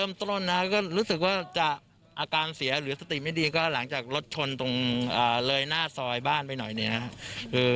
ไม่ส่งเขาไปรักษาในเมื่อ